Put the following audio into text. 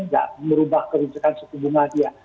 tidak merubah kebijakan suku bunga dia